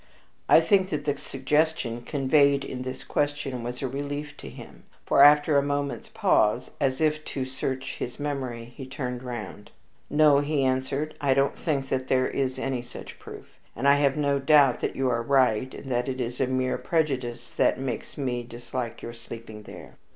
I think that the suggestion conveyed in this question was a relief to him, for after a moment's pause, as if to search his memory, he turned round. "No," he answered, "I don't think that there is any such proof; and I have no doubt that you are right, and that it is a mere prejudice that makes me dislike your sleeping there."